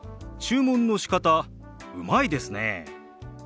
注文のしかたうまいですね。